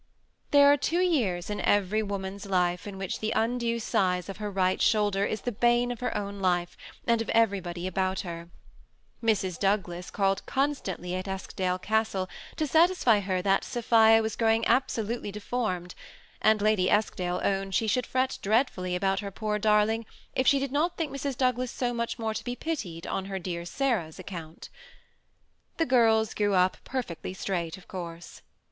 There are two years in every woman's life in which the undue size of her right shoulder is the bane of her own life, and of everybody about her, Mrs. Douglas called constantly at Eskdale Castle to satisfy herself that Sophia was growing absolutely deform^^;. ^^^ 1* 10 THE SEMI ATTACHED COUPLE. Lady E^kdale owned she should fret dreadfully about her poor darling if she did not think Mrs. Douglas so much more to be pitied on her dear Sarah's account. The girls grew up perfectly straight, of course.